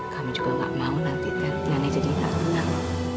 kami juga gak mau nanti nenek jadi tak benar